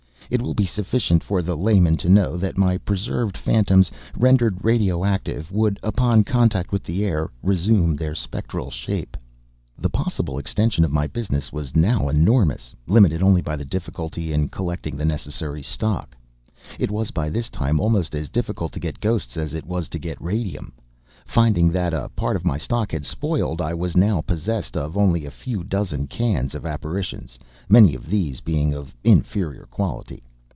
It will be sufficient for the layman to know that my preserved phantoms, rendered radio active, would, upon contact with the air, resume their spectral shape. The possible extension of my business now was enormous, limited only by the difficulty in collecting the necessary stock. It was by this time almost as difficult to get ghosts as it was to get radium. Finding that a part of my stock had spoiled, I was now possessed of only a few dozen cans of apparitions, many of these being of inferior quality.